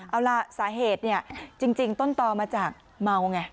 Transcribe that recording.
เอาล่ะสาเหตุเนี่ยจริงต้นต่อมาจากเมาไง